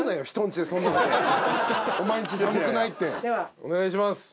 お願いします。